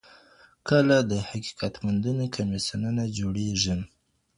کله د حقیقت موندنې کمیسیونونه جوړیږي؟